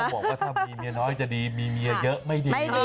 ก็เห็นเขาบอกว่าถ้ามีเมียน้อยจะดีมีเมียเยอะไม่ดี